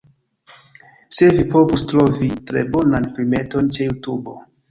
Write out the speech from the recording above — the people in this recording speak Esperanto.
Se vi povus trovi tre bonan filmeton ĉe Jutubo